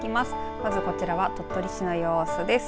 まずこちらは鳥取市の様子です。